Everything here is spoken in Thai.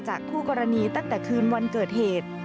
คู่กรณีตั้งแต่คืนวันเกิดเหตุ